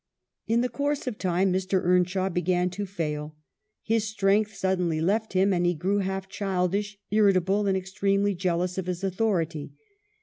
In the course of time Mr. Earnshaw began to fail. His strength suddenly left him, and he grew half childish, irritable, and extremely jeal ous of his authority.